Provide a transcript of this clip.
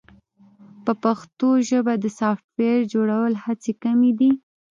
په پښتو ژبه د سافټویر جوړولو هڅې کمې دي.